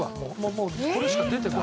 もうこれしか出てこない。